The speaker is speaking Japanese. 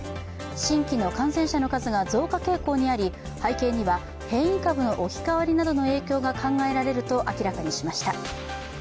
新規の感染者の数が増加傾向にあり背景には変異株の置き換わりなどの影響が考えられると明らかにしました。